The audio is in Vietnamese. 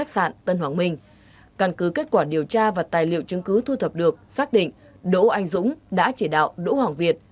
xác định đỗ anh dũng đã chỉ đạo đỗ hoàng việt